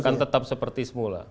akan tetap seperti semula